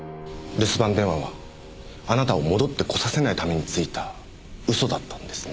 留守番電話はあなたを戻ってこさせないためについた嘘だったんですね。